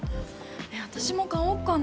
私も買おっかな